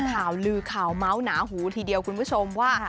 ข่าวลือข่าวเมาส์หนาหูทีเดียวคุณผู้ชมว่า